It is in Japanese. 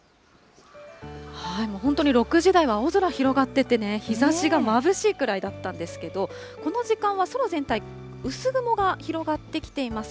もう本当に６時台は青空広がっててね、日ざしがまぶしいくらいだったんですけど、この時間は空全体、薄雲が広がってきています。